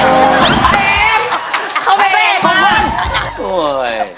พระเอกพระเอกของมันโอ๊ย